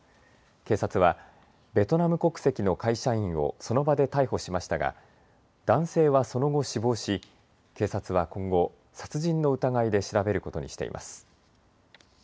警察はベトナム国籍の会社員をその場で逮捕しましたが男性はその後、死亡し警察は今後、殺人の疑いで調べることにしています。